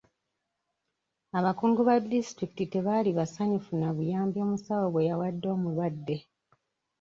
Abakungu ba disitulikiti tebaali basanyufu na buyambi omusawo bwe yawadde omulwadde.